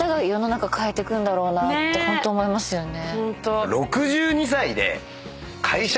てホント思いますよね。